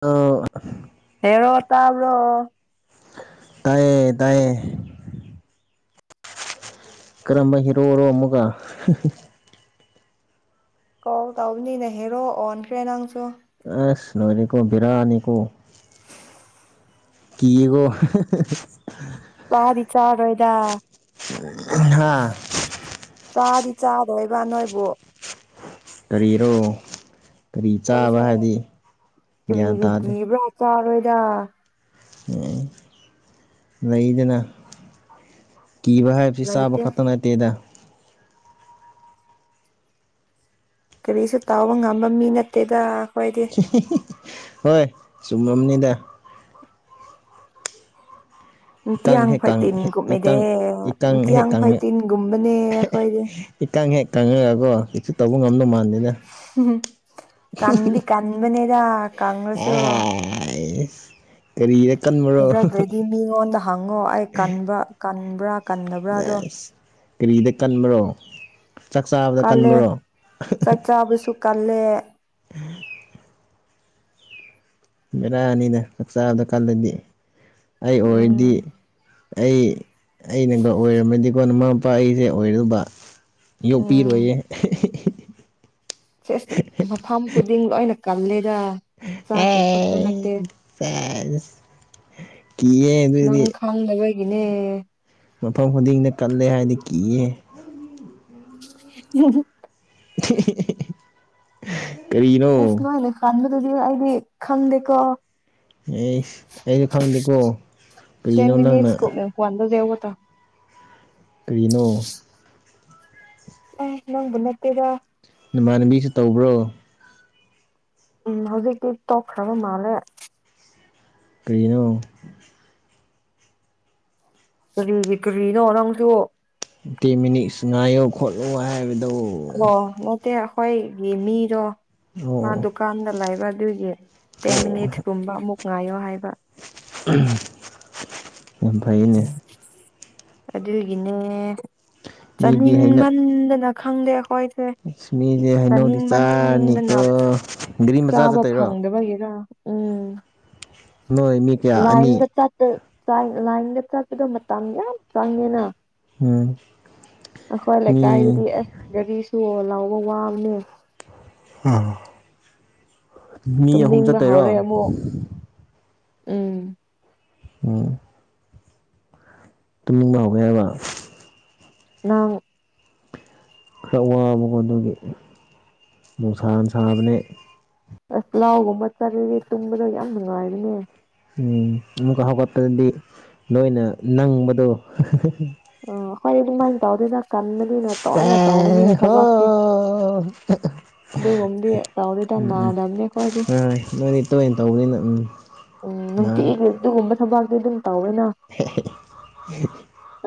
ꯑꯣ ꯍꯦꯔꯣ ꯇꯕ꯭ꯔꯣ꯫ ꯄꯥꯛ ꯇꯌꯦ ꯇꯌꯦ ꯀꯔꯝꯕ ꯍꯤꯔꯣꯔꯣ ꯑꯃꯒ ꯀꯧ ꯇꯥꯎꯕꯅꯤꯅꯦ ꯍꯦꯔꯣ ꯑꯣꯟꯈ꯭ꯔꯦ ꯅꯪꯁꯨ ꯑꯁ ꯃꯗꯤꯀꯣ ꯕꯤꯔꯥꯅꯤꯀꯣ ꯀꯤꯀꯣ ꯀ꯭ꯋꯥꯗꯤ ꯆꯔꯣꯢꯗ ꯍꯥꯥ ꯆꯥꯗꯤ ꯆꯥꯗꯣꯏꯕ ꯅꯣꯏꯕꯨ ꯀꯔꯤꯔꯣ ꯀꯔꯤ ꯆꯥꯕ ꯑꯩꯈꯣꯏꯁꯦ ꯍꯥꯏꯗꯤ ꯒ꯭ꯌꯥꯟ ꯇꯥꯗꯦ ꯆꯔꯣꯏꯗ ꯍ ꯂꯩꯗꯅ ꯀꯤꯕ ꯍꯥꯏꯕꯁꯤ ꯆꯥꯕ ꯂꯩꯇꯦ ꯈꯛꯇ ꯅꯠꯇꯦꯗ ꯀꯔꯤꯁꯨ ꯇꯥꯎꯕ ꯉꯝꯕ ꯃꯤ ꯅꯠꯇꯦꯗ ꯑꯩꯈꯣꯏꯗꯤ [unintelligible] ꯍꯣꯏ ꯆꯨꯝꯃꯝꯅꯤꯗ ꯏꯀꯪ ꯅꯨꯡꯇꯤꯌꯥꯡ ꯍꯦꯛ ꯀꯪ ꯐꯥꯏꯇꯤꯟꯒꯨꯝꯃꯦꯗꯦ ꯏꯀꯪ ꯏꯀꯪ ꯍꯦꯛ ꯅꯨꯡꯇꯤꯌꯥꯡ ꯀꯪꯉ ꯐꯥꯏꯇꯤꯟꯒꯨꯝꯕꯅꯦ ꯑꯩꯈꯣꯏꯗꯤ ꯇꯧꯑꯦꯒꯣ ꯀꯩꯁꯨ ꯇꯧꯕ ꯉꯝꯗꯧ ꯃꯥꯟꯇꯦ ꯎꯝ ꯀꯝꯕꯤ ꯀꯟꯕꯅꯦꯗꯥ ꯀꯥꯒ꯭ꯔꯦꯁꯨꯣ ꯀꯔꯤꯔ ꯀꯟꯕ꯭ꯔꯣ ꯃꯤꯉꯣꯟꯗ ꯍꯪꯉꯣ ꯑꯩ ꯀꯟꯕ ꯀꯟꯕ꯭ꯔꯥ ꯀꯟꯗꯕ꯭ꯔꯥꯗꯣ ꯑꯦꯁ ꯀꯔꯤꯗ ꯀꯟꯕ꯭ꯔꯣ ꯆꯥꯛ ꯆꯥꯕꯗ ꯀꯜꯂꯦ ꯀꯟꯕꯔꯣ ꯆꯥꯛ ꯆꯥꯕꯁꯨ ꯀꯜꯂꯦ ꯕꯦꯔꯅꯤꯗ ꯃꯁꯥꯗꯣ ꯀꯟꯂꯗꯤ ꯑꯩ ꯑꯣꯏꯔꯗꯤ ꯎꯝ ꯑꯩ ꯑꯩꯅꯒ ꯑꯣꯏꯔꯝꯃꯗꯤꯀꯣ ꯃꯃꯥ ꯃꯄꯥ ꯑꯩꯁꯦ ꯑꯣꯏꯔꯨꯕ ꯎꯝ ꯌꯣꯛꯄꯤꯔꯣꯏꯌꯦ ꯎ ꯆꯁ ꯃꯐꯝ ꯈꯨꯗꯤꯡ ꯂꯣꯏ ꯀꯜꯂꯦꯗ ꯆꯥꯛꯀꯤ ꯈꯛꯇ ꯑꯦ ꯅꯠꯇꯦ ꯐ ꯀꯌꯦ ꯑꯗꯨꯗꯤ ꯔꯤꯂꯦꯌꯦ ꯃꯐꯝ ꯈꯨꯗꯤꯡꯗ ꯀꯜꯂꯦ ꯍꯥꯏꯅ ꯀꯤꯌꯦ ꯎ [inaudible] ꯏꯁ ꯏꯁꯅꯨ ꯂꯦ ꯈꯥꯟ ꯑꯗꯨꯗꯤ ꯑꯩꯗꯤ ꯈꯪꯗꯦꯀꯣ ꯑꯩ ꯑꯩꯁꯨ ꯈꯪꯗꯦꯀꯣ ꯀꯔꯤꯅꯣ ꯅꯪꯅ ꯀꯨꯠꯇ ꯀ꯭ꯔꯤꯅꯨ ꯑ ꯅꯪ ꯅꯠꯇꯦꯗ ꯅꯃꯥꯟꯕꯤꯁꯤ ꯇꯧꯕ꯭ꯔꯣ ꯎꯝ ꯍꯧꯖꯤꯛꯇꯤ ꯇꯣꯛꯈ꯭ꯔꯕ ꯃꯥꯜꯂꯦ ꯀ꯭ꯔꯤꯅꯣ ꯀꯔꯤꯒꯤ ꯀꯔꯤꯅ ꯑꯣꯅꯁꯨꯣ ꯇ ꯃꯤꯅꯤ ꯁ ꯉꯥꯏꯣ ꯈꯣꯜꯂ ꯍꯥꯏ ꯑꯣ ꯃꯠꯇꯦ ꯑꯩꯈꯣꯏꯒꯤ ꯃꯤꯗꯣ ꯃꯥ ꯑꯣ ꯑꯣ ꯗꯨꯀꯥꯟꯗ ꯂꯩꯑꯕ ꯑꯗꯨꯒꯤ ꯇꯦꯟ ꯃꯅꯤꯠꯁ ꯀꯨꯝꯕꯥ ꯉꯅꯨꯡꯉꯥꯏꯌꯣ ꯍꯥꯏꯕ ꯎꯝ ꯑꯐꯌ‌ꯦꯅꯦ ꯑꯗꯨꯗꯒꯤꯅꯦ ꯆꯅꯤꯡ ꯃꯟꯗꯅ ꯈꯪꯗꯦ ꯑꯩꯈꯣꯏꯁꯦ ꯛꯁꯃꯤꯁꯦ ꯍꯩꯅꯧꯗꯤꯆꯥꯅꯤꯀꯣ ꯆꯥꯅꯤꯡꯃꯟꯗꯅ ꯒꯥꯔꯤ ꯃꯆꯥ ꯆꯥꯕ ꯆꯠꯇꯣꯏꯔꯣ ꯐꯪꯗꯕꯒꯤꯔ ꯎꯝ ꯅ‌ꯣꯏ ꯃꯤ ꯀꯌꯥ ꯑꯅꯤ ꯂꯥꯏꯟꯗ ꯆꯠꯇ ꯂꯥꯏꯟꯗ ꯆꯠꯄꯗꯣ ꯃꯇꯝ ꯌꯥꯝ ꯆꯪꯉꯦꯅ ꯎꯝ ꯑꯩꯈꯣꯏ ꯃꯤ ꯂꯩꯀꯥꯏꯗꯨꯗꯤ ꯑꯁ ꯒꯥꯔꯤ ꯆꯣ ꯂꯥꯎꯕ ꯋꯥꯕꯅꯦ ꯎꯝ ꯃꯤ ꯑꯍꯨꯝ ꯇꯨꯝꯅꯤꯡꯕ ꯆꯠꯇꯔꯣ ꯍꯧꯔꯦ ꯑꯃꯨꯛ ꯎꯝ ꯎꯝ ꯇꯨꯝꯅꯤꯡꯕ ꯍꯧꯒꯦ ꯍꯥꯏꯕ ꯅ ꯈꯔ ꯋꯥꯕꯀꯣ ꯑꯗꯨꯒꯤ ꯅꯨꯡꯁꯥꯅ ꯁꯥꯕꯅꯦ ꯑꯁ ꯂꯥꯎꯒꯨꯝꯕ ꯆꯠꯂꯦ ꯇꯨꯝꯕꯗꯣ ꯌꯥꯝ ꯅꯨꯡꯉꯥꯏꯕꯅꯦ ꯑꯃꯨꯛꯀ ꯍꯧꯒꯠꯄꯗꯗꯤ ꯂꯣꯏꯅ ꯅꯪꯕꯗꯣ ꯑꯣ ꯍꯔꯦꯕꯨꯨꯝ ꯃꯟꯗꯎꯗ ꯆ ꯀꯟꯕꯅꯤꯅ ꯇꯋꯥꯏꯅ ꯇꯧꯕꯅꯤꯅ ꯍꯣ ꯊꯕꯛꯇꯤ ꯑꯗꯨꯒꯨꯝꯕꯗꯤ ꯇꯧꯔꯤꯗ ꯅꯥꯗꯕꯅꯦ ꯑꯩꯈꯣꯏꯗꯤ ꯇ ꯑꯣꯏꯅ ꯇꯧꯕꯅꯤꯅ ꯎꯝ ꯎꯝ ꯅꯨꯡꯇꯤ ꯅꯥꯔꯣꯏ [inaudible] ꯇꯧꯒꯅꯣ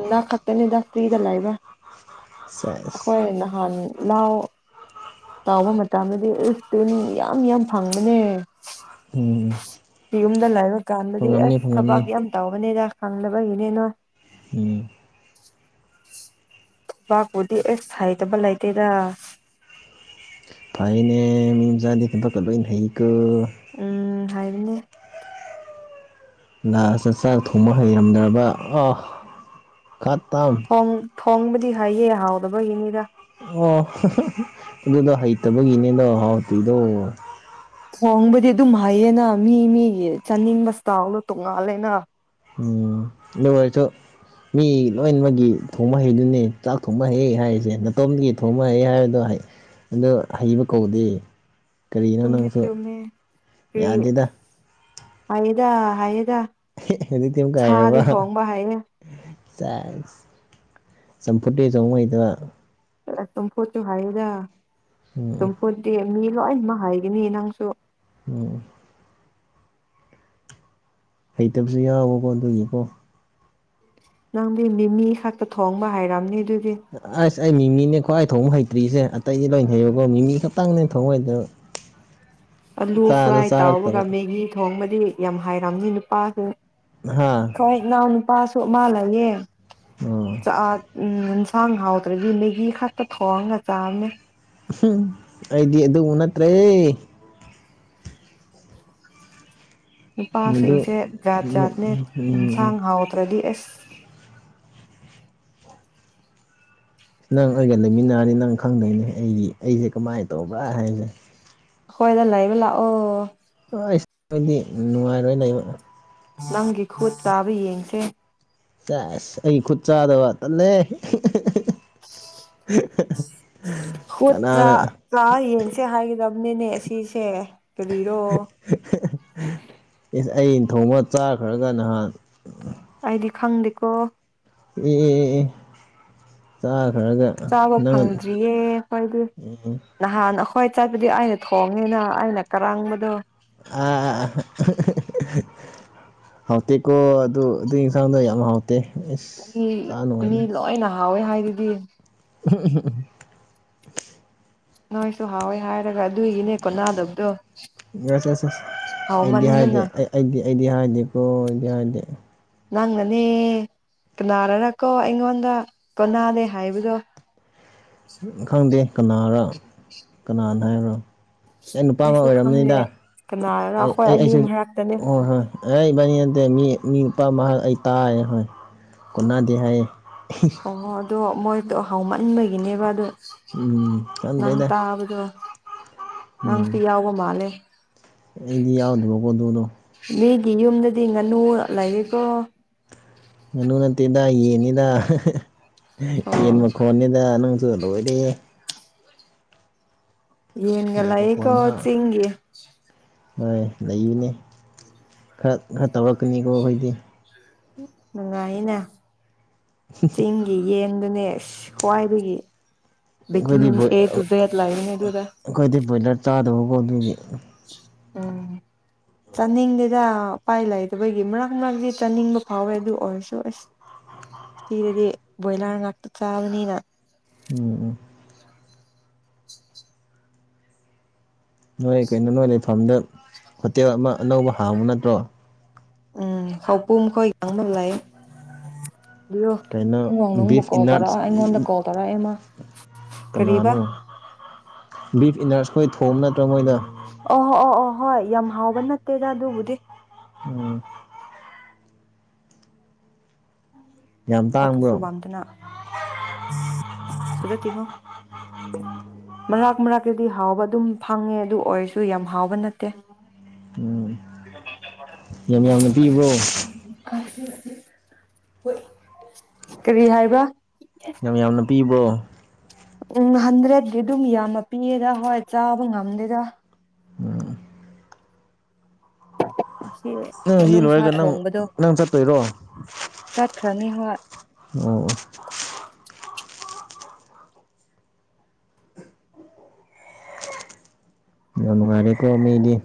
ꯑꯅꯥ ꯈꯥꯇꯦꯅꯤꯗ ꯁꯤꯗ ꯂꯑꯕ ꯍꯣꯏ ꯁꯦꯁ ꯅꯍꯥꯟ ꯂꯥꯎ ꯇꯥꯎꯕ ꯃꯇꯝꯗꯗꯤ ꯎ ꯇꯅꯤ ꯌꯥꯝ ꯌꯥꯝ ꯐꯪꯕꯅꯦ ꯎꯝ ꯌꯨꯝꯗ ꯂꯥꯏꯕ ꯀꯥꯟꯗꯗꯤ ꯐꯪꯉꯝꯅꯤ ꯑꯁ ꯐꯪꯉꯝꯅꯤ ꯊꯕꯥꯛ ꯌꯥꯝ ꯇꯥꯎꯋ ꯅꯇꯦꯗ ꯈꯪꯗꯕꯒꯤꯅꯤꯅꯣ ꯎꯝ ꯕꯥꯄꯨꯗꯤ ꯑꯦꯁ ꯍꯩꯇꯕ ꯂꯩꯇꯦꯗ ꯐꯥꯏꯅꯦ ꯃꯤꯖꯥꯗꯤ ꯊꯕ ꯀ ꯂꯣꯏꯅ ꯍꯩꯀ ꯎꯝ ꯍꯥꯏꯔꯤꯅꯦ ꯅꯪ ꯆꯥꯛ ꯊꯣꯡꯕ ꯍꯩꯔꯝꯗ꯭ꯔꯕ ꯑꯣ ꯈꯠꯇꯝ ꯊꯣꯡ ꯊꯣꯡꯕꯗꯤ ꯍꯥꯏꯌꯦ ꯍꯥꯎꯗꯕꯒꯤꯅꯤꯗ ꯑꯣ ꯑꯗꯨꯗꯣ ꯍꯩꯇꯕꯒꯤꯅꯦꯗꯣ ꯍꯥꯎꯇꯣꯏꯗꯣ ꯊꯣꯡꯕꯗꯤ ꯑꯗꯨꯝ ꯍꯩꯌꯦꯅ ꯃꯤ ꯃꯤꯒꯤ ꯆꯥꯅꯤꯡꯕ ꯁꯇꯥꯜꯗꯣ ꯇꯣꯡꯉꯥꯜꯂꯦꯅ ꯎꯝ ꯑꯗꯨ ꯑꯣꯏꯔꯁꯨ ꯃꯤ ꯂꯣꯏꯃꯛꯒꯤ ꯊꯣꯡꯕ ꯍꯩꯗꯨꯅꯦ ꯆꯥꯛ ꯊꯣꯡꯕ ꯍꯩ ꯍꯥꯏꯔꯤꯁꯦ ꯅꯅꯥꯇꯣꯝꯗꯒꯤ ꯊꯣꯡꯕ ꯍꯩ ꯍꯥꯏꯕꯗꯣ ꯑꯗꯨ ꯍꯩꯕ ꯀꯧꯗꯦ ꯀꯔꯤꯅꯣ ꯆꯨꯝꯗꯤ ꯅꯪꯁꯨ ꯆꯨꯝꯃꯦ ꯌꯥꯗꯦꯗ ꯍꯩꯗ ꯍꯩꯗ ꯑꯗꯨꯗꯤꯗꯤꯝ ꯀꯥꯏꯕ ꯍꯩꯌꯦ ꯆ ꯆꯝꯐꯨꯠꯇꯦ ꯆꯉꯩꯗꯕ ꯇꯨꯝ ꯐꯣ ꯆ ꯍꯥꯏꯗ ꯎꯝ ꯆꯝꯐꯨꯔꯗꯤ ꯃꯤ ꯂꯣꯏ ꯑꯃ ꯍꯥꯏꯒꯅꯤ ꯅꯪꯁꯨ ꯎꯝ ꯍꯩꯇꯕꯁꯨ ꯌꯥꯎꯕꯀꯣ ꯑꯗꯨꯒꯤꯀꯣ ꯅꯪꯗꯤ ꯃꯤ ꯃꯤ ꯈꯛꯇ ꯊꯣꯡꯕ ꯍꯥꯏꯔꯝꯅꯤ ꯑꯗꯨ ꯑꯁ ꯑꯩꯃꯤꯅꯦꯅꯤ ꯈꯣꯏ ꯊꯣꯡ ꯍꯩꯇ꯭ꯔꯤꯁꯦ ꯑꯇꯩꯗꯤ ꯂꯣꯏꯅ ꯍꯩꯌꯀꯣ ꯃꯤ ꯃꯤ ꯈꯛꯇꯪꯅꯦ ꯊꯣꯡ ꯍꯩꯇꯕ ꯑꯂꯨ ꯆꯥꯗ ꯐ꯭ꯔꯥꯏ ꯇꯥꯎ꯭ꯕꯒ ꯆꯥꯔꯛꯇꯕ ꯃꯦꯒꯤ ꯊꯣꯡꯕꯗꯤ ꯌꯥꯝ ꯍꯥꯏꯔꯥꯑꯝꯅꯤ ꯅꯨꯄꯥꯁꯤ ꯍꯥ ꯀꯣꯏ ꯉꯅꯥꯎꯅꯤ ꯄꯁꯨ ꯃꯥꯂꯒꯦ ꯑꯣ ꯆ ꯎꯝ ꯌꯦꯟꯁꯥꯡ ꯍꯥꯎꯗ꯭ꯔꯗꯤ ꯅꯦꯒꯤ ꯈꯛꯇ ꯊꯣꯡꯒ ꯆꯥꯕꯅꯦ ꯑꯩꯗꯤ ꯑꯗꯨꯕꯨ ꯅꯠꯇ꯭ꯔꯦꯍ‌ꯦ ꯃꯗꯨ ꯅꯨꯄꯥꯁꯤꯡꯁꯦ ꯖꯥꯠ ꯖꯥꯠꯅꯦ ꯎꯝ ꯌꯦꯟꯁꯥꯡ ꯍꯥꯎꯗ꯭ꯔꯗꯤ ꯑꯁ [unintelligible] ꯑ [unintelligible] ꯅꯪ ꯑꯩꯒ ꯂꯩꯃꯤꯟꯅꯔꯗꯤ ꯅꯪ ꯈꯪꯗꯣꯏꯅꯤꯍ‌ꯦ ꯑꯩꯒꯤ ꯑꯩꯁꯦ ꯀꯃꯥꯏꯅ ꯇꯧꯕ꯭ꯔꯥ ꯍꯥꯏꯁꯦ ꯍꯣꯏꯗ ꯂ ꯑꯩꯕ ꯂꯥꯛ ꯑꯣ ꯑꯩꯁ ꯑꯗꯨꯗꯤ ꯅꯨꯡꯉꯥꯏꯔꯣꯏ ꯂꯩꯕ ꯅꯪꯒꯤ ꯈꯨꯠ ꯆꯥꯕ ꯌꯦꯡꯁꯦ ꯆꯁ ꯑꯩ ꯈꯨꯠ ꯆꯥꯗꯕ ꯇꯜꯂꯦ ꯀꯅꯥꯅ ꯍꯣꯥꯥ ꯌꯦꯡꯁꯦ ꯍꯥꯏꯒꯗꯕꯅꯤꯅꯦ ꯁꯤꯁꯦ ꯀꯔꯤꯔꯣ ꯏꯁ ꯑꯩꯅ ꯊꯣꯡꯕ ꯆꯥꯈ꯭ꯔꯒ ꯅꯍꯥꯟ ꯑꯗꯤ ꯈꯪꯗꯦꯀꯣ ꯑꯦ ꯆꯥꯛ ꯆꯥꯕ ꯐꯪꯗ꯭ꯔꯤꯌꯦ ꯑꯩꯈꫭꯏꯗꯤ ꯅꯍꯥꯟ ꯑꯩꯈꯣꯏ ꯆꯛꯄꯨꯗꯤ ꯑꯩꯅ ꯊꯣꯡꯉꯦꯅ ꯑꯩꯅ ꯀꯔꯥꯡꯕꯗꯣ ꯑ ꯍꯥꯎꯇꯦꯀꯣ ꯑꯗꯨ ꯑꯗꯨ ꯌꯦꯟꯁꯥꯡꯗꯣ ꯌꯥꯝ ꯍꯥꯎꯇꯦ ꯏꯁ ꯃꯤ ꯆꯥ ꯃꯤ ꯅꯨꯡꯉꯥꯏꯅꯤ ꯂꯣꯏ ꯅꯍ ꯍꯥꯎꯑꯦ ꯍꯥꯏꯗꯨꯗꯤ ꯎꯨꯝꯍꯛ ꯎꯨꯝꯍꯛ ꯎꯨꯝꯍꯛ ꯅꯣꯏꯁꯨ ꯍꯥꯎꯣꯏ ꯍꯥꯏ ꯑꯁꯁ ꯑꯩꯗꯤ ꯍꯥꯏꯗꯤꯦ ꯍꯥꯎꯃꯟꯗꯅ ꯑꯩ ꯑꯩꯗꯤ ꯑꯩꯗꯤ ꯍꯥꯏꯗꯦꯀꯣ ꯑꯩꯗꯤ ꯍꯥꯏꯗꯦ ꯅꯪꯅꯅꯦ ꯀꯅꯥꯔꯔꯀꯣ ꯑꯩꯉꯣꯟꯗ ꯀꯣꯟꯅꯥꯅꯦ ꯍꯥꯏꯕꯗꯣ ꯈꯪꯗꯦ ꯀꯅꯥꯔ ꯀꯅꯥꯅ ꯍꯥꯏꯕ꯭ꯔꯥ ꯑꯩ ꯅꯨꯄꯥ ꯑꯃ ꯑꯩꯁꯨ ꯈꯪꯗꯦ ꯑꯣꯏꯔꯝꯃꯅꯤꯗ ꯀꯅꯥꯔꯅ ꯑꯩꯈꯣꯏ ꯑꯩ ꯑꯅꯤ ꯑꯩꯁꯨ ꯃꯔꯛꯇꯅꯦ ꯍ ꯍꯣꯏ ꯑꯔꯕꯅꯤ ꯑꯗꯩ ꯃꯤ ꯃꯤ ꯅꯨꯄꯥ ꯃꯍꯥꯛ ꯑꯩ ꯇꯥꯛꯑꯦ ꯍꯣꯏ ꯀꯨꯅꯗꯦ ꯍꯥꯏꯌꯦ ꯑꯣꯍꫭ ꯑꯗꯣ ꯃꯣꯏꯗꯣ ꯍꯥꯎ ꯃ ꯏꯟꯕꯒꯤꯅꯦꯕ ꯑꯗꯣ ꯎꯝ ꯅꯪ ꯈꯪꯗ꯭ꯔꯦꯗ ꯇꯥꯕꯗꯣ [unintelligible] ꯅꯪꯁꯨ ꯎꯝ ꯌꯥꯎꯕ ꯃꯥꯜꯂꯦ ꯑꯩꯗꯤ ꯌꯥꯎꯗꯕ ꯐꫭꯠꯇꫭꯗꯣ ꯃꯤꯒꯤ ꯌꯨꯝꯗꯗꯤ ꯉꯥꯅꯨ ꯂꯩꯔꯤꯀꯣ ꯉꯥꯅꯨ ꯅꯠꯇꯦꯗ ꯌꯦꯟꯅꯤꯗ ꯑꯣ ꯌꯦꯟ ꯃ ꯀꯣꯟꯟꯗ ꯅꯅꯪ ꯣꯔꯦ ꯌꯦꯟꯒꯂ ꯌꯦꯟ ꯌꯦ ꯃꯈꯣꯟ ꯀꯠ ꯐꯥꯎ ꯁꯤ ꯍꯦ ꯁꯤ ꯍꯣꯏ ꯂꯩꯌꯅꯦ ꯈꯔ ꯈꯔ ꯇꯧꯔꯛꯀꯅꯤꯀꯣ ꯑꯩꯈꯣꯏꯗꯤ ꯪꯉꯥꯏꯅ ꯇꯤꯁꯤꯡꯒꯤꯤ ꯌꯦꯟ ꯑꯗꯨꯅꯦ ꯈ꯭ꯋꯥꯏꯕꯒꯤ ꯀꯣꯏꯗꯞꯣꯏ ꯂꯩꯕꯅꯦ ꯑꯗꯨꯗ ꯀꯣꯏꯗꯦꯞ ꯣꯏꯂꯔ ꯆꯥꯗꯕꯀꯣ ꯑꯗꯨꯏꯗꯤ ꯎꯝ ꯆꯥꯅꯤꯡꯗꯦꯗ ꯎꯄꯥꯏ ꯂꯩꯇꯕꯒꯤ ꯃꯔꯛ ꯃꯔꯛꯇꯤ ꯆꯥꯅꯤꯡꯕ ꯐꯥꯎꯋꯦ ꯑꯗꯨ ꯑꯣꯏꯔꯁꯨ ꯑꯁ ꯁꯤꯤꯗꯗꯤ ꯕꯣꯏꯂꯥꯔ ꯉꯥꯛꯇ ꯆꯥꯕꯅꯤꯅ ꯎꯝ ꯎꯝ ꯅꯣꯏ ꯀꯩꯅꯣ ꯅꯣꯏ ꯂꯩꯐꯝꯗ ꯍꯣꯇꯦꯜ ꯑꯃ ꯑꯅꯧꯕ ꯍꯥꯡꯕꯨ ꯅꯠꯇ꯭ꯔꯣ ꯎꯝ ꯍꯥꯎꯄꯨ ꯈꯣꯏꯒꯥꯡꯕ ꯂꯩ ꯑꯕꯤꯌꯣ ꯀꯩꯅꯣ ꯈꯨꯡꯒꯪ ꯅꯨꯡꯕꯨ ꯕꯤꯐ ꯀꯥꯎ ꯇꯧꯔꯛꯑꯣ ꯑꯩꯉꯣꯟꯗ ꯀꯥꯎ ꯇꯧꯔꯛꯑꯦꯃ ꯇꯅꯥꯅꯣ ꯕꯤꯐ ꯏꯟꯅꯔꯁꯈꯣꯏ ꯊꯣꯡꯅ ꯑꯣ ꯑꯣ ꯑꯣ ꯍꯣꯏ ꯌꯥꯝ ꯍꯥꯎꯕ ꯅꯠꯇꯦꯗ ꯑꯗꯨꯕꯨꯗꯤ ꯎꯝ ꯌꯥꯝ ꯇꯥꯡꯕ꯭ꯔꯣ ꯑꯊꯁꯨꯕꯥꯝꯗꯅꯥ ꯑꯗꯨꯗꯠꯇꯤꯈꯣ ꯃꯔꯥꯛ ꯃꯔꯥꯛꯛꯇꯨꯗꯤ ꯍꯥꯎꯕ ꯑꯗꯨꯝ ꯐꯪꯉꯦ ꯑꯗꯨ ꯑꯣꯏꯔꯁꯨ ꯌꯥꯝ ꯍꯥꯎꯕ ꯅꯠꯇꯦ ꯍꯒꯤ ꯑꯣ ꯆ ꯀꯔꯤ ꯍꯥꯏꯕ ꯌꯥꯝ ꯌꯥꯝꯅ ꯄꯤꯕ ꯎꯝ ꯍꯟꯗ꯭ꯔꯦꯗꯗꯤꯤ ꯑꯗꯨꯝ ꯌꯥꯝꯃ ꯄꯤꯌꯦꯦꯗ ꯍꯣꯏ ꯆꯥꯕ ꯉꯝꯗꯦꯗ ꯑꯁꯤ ꯅꯪ ꯁꯤ ꯃꯅꯨꯡꯁꯥ ꯂꯣꯏꯔꯒ ꯅꯪ ꯊꯣꯡꯕꯗꯣ ꯅꯪ ꯆꯠꯇꯣꯏꯔꯣ ꯑꯣ ꯆꯠꯈ꯭ꯔꯅꯤ ꯍꯣꯏ ꯉꯔ ꯀꯃꯗꯤꯦ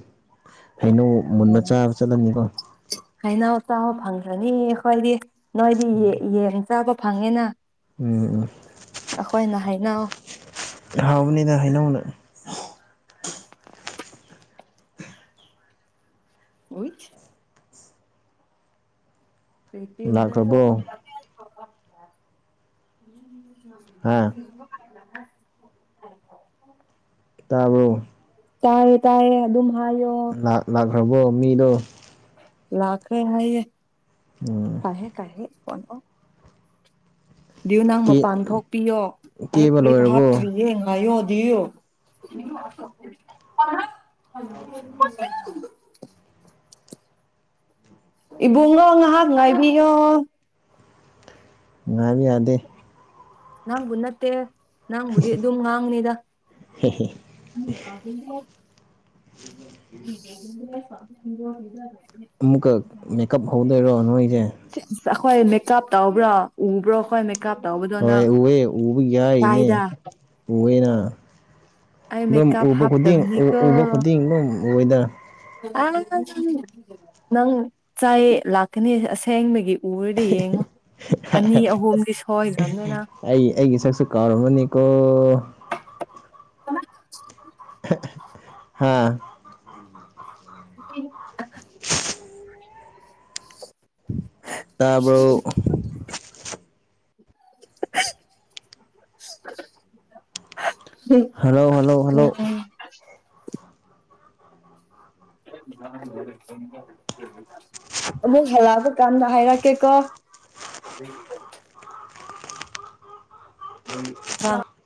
ꯍꯩꯅꯧ ꯑꯣ ꯃꯨꯟꯕ ꯆꯥꯕ ꯆꯠꯂꯟꯅꯤꯀꯣ ꯇꯥꯑꯣ ꯐꯪꯈ꯭ꯔꯅꯤ ꯑꯩꯈꯣꯏꯗꯤ ꯅꯣꯏꯗꯤ ꯌꯦꯟ ꯆꯥꯕ ꯐꯪꯉꯤꯅ ꯎꯝ ꯅ ꯍꯥꯎꯕꯨꯅꯤꯗ ꯍꯥꯏꯅ ꯍꯨꯅ ꯑ ꯎꯆ ꯎꯆ ꯄꯔꯤ ꯄꯤ ꯎ ꯎ ꯂꯥꯛꯈ꯭ꯔꯕꯣ ꯍꯥ ꯔ ꯎꯝ ꯇꯥꯕꯣ ꯇꯥꯦ ꯇꯥꯌꯦ ꯑꯗꯨꯝ ꯍꯥꯏꯣ ꯍꯕꯣ ꯃꯤꯂꯣ ꯂꯈ ꯍꯥꯏꯏꯌꯦ ꯎꯝ ꯀꯦ ꯀꯥꯏꯦ ꯄꯂ ꯌꯨ ꯅꯪ ꯀꯦ ꯃꯄꯥꯟ ꯊꯣꯛꯄꯤꯌꯣ ꯑꯩ ꯀꯦꯕ ꯐꯨꯔꯤꯠꯇ ꯂꯣꯏꯔꯕꯣ ꯍꯥꯞꯇ꯭ꯔꯤ ꯌꯦꯡ ꯍꯥꯏꯌꯣ ꯗꯑꯣ ꯍꯜꯂꯣ [unintelligible] ꯏꯕꯨꯡꯉꯣ ꯉꯥꯏꯍꯥꯛ ꯉꯥꯏꯕꯤꯌꯣ ꯉꯥꯡꯕꯤ ꯌꯥꯗꯦ ꯅꯪꯒꯅꯠꯇꯦ ꯅꯪꯕꯨꯗꯤ ꯑꯗꯨꯝ ꯉꯥꯡꯅꯤꯗ ꯎꯝ [unintelligible] ꯑꯃꯨꯛꯀ ꯃꯦꯀꯞ ꯍꯧꯗꯣꯏꯔꯣ ꯅꯣꯏꯁꯦ ꯁꯤꯁ ꯑꯩꯈꯣꯏ ꯃꯦꯀꯞ ꯇꯧꯕ꯭ꯔꯣ ꯎꯕ꯭ꯔꯣ ꯑꯩꯈꯣꯏ ꯃꯦꯀꯞ ꯇꯧꯕꯗꯣ ꯍꯣꯏ ꯅꯪ ꯎꯑꯦ ꯎꯕ ꯌꯥꯏꯅꯦ ꯀꯥꯏꯗ ꯎꯑꯦꯅ ꯑꯩ ꯑꯗꯨꯝ ꯃꯦꯀꯞ ꯎꯕ ꯈꯨꯗꯤꯡ ꯍꯥꯞꯇꯕꯅꯤꯀꯣ ꯎꯕ ꯈꯨꯗꯤꯡ ꯑꯗꯨꯝ ꯑꯣꯏꯣꯏꯗ ꯑꯥ ꯅꯪ ꯆꯥꯏ ꯂꯥꯛꯀꯅꯤ ꯑꯁꯦꯡꯕꯒꯤ ꯎꯔꯗꯤ ꯌꯦꯡꯉꯣ ꯑꯅꯤ ꯑꯍꯨꯝꯗꯤ ꯁꯣꯏꯈ꯭ꯔꯕꯅꯤꯅ ꯑꯩ ꯑꯩꯒꯤ ꯁꯛꯁꯨ ꯀꯥꯎꯔꯝꯃꯅꯤ ꯀꯨ ꯀꯅꯥ ꯍꯥꯥ [inaudible] ꯇꯥꯔꯕ [inaudible] ꯎꯝ ꯍꯜꯂꯣ ꯍꯜꯂꯣ ꯍꯜꯂꯣ ꯎꯝ ꯑꯃꯨꯛ ꯍꯂꯛꯑꯄ ꯀꯥꯟꯗ ꯍꯥꯏꯔꯛꯀꯦꯀꯣ ꯇ